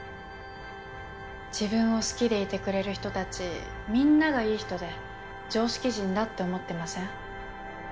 自分を好きでいてくれる人たちみんながいい人で常識人だって思ってません？